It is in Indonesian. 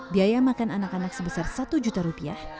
biaya makan anak anak sebesar satu juta rupiah